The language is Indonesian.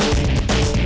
nggak akan ngediam nih